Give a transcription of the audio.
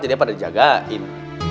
jadi pada dijagain